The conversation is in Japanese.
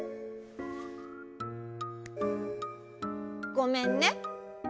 ごめんね。